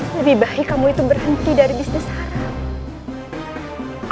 lebih baik kamu itu berhenti dari bisnis haram